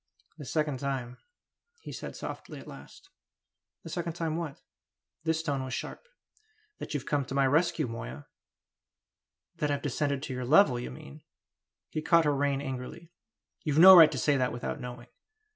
"The second time," he said softly at last. "The second time what?" This tone was sharp. "That you've come to my rescue, Moya." "That I've descended to your level, you mean!" He caught her rein angrily. "You've no right to say that without knowing!"